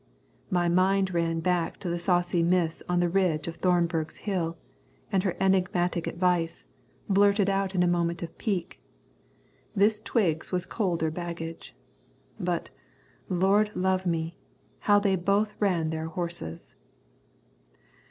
My mind ran back to the saucy miss on the ridge of Thornberg's Hill, and her enigmatic advice, blurted out in a moment of pique. This Twiggs was colder baggage. But, Lord love me! how they both ran their horses!